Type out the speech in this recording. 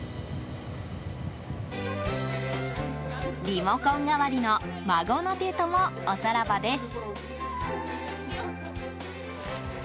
リモコン代わりの孫の手ともおさらばです。